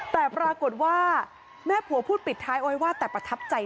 แต่ปรากฏว่าแม่ผัวพูดปิดท้ายเอาไว้ว่าแต่ประทับใจ